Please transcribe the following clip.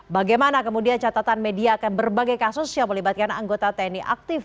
bagaimana kemudian catatan media akan berbagai kasus yang melibatkan anggota tni aktif